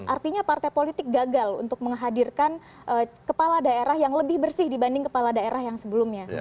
artinya partai politik gagal untuk menghadirkan kepala daerah yang lebih bersih dibanding kepala daerah yang sebelumnya